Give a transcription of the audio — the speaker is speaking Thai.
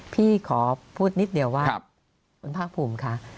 พี่ขอพูดนิดเดียวว่าคุณภาคภูมิค่ะ